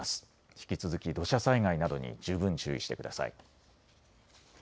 引き続き土砂災害などに十分注意してください。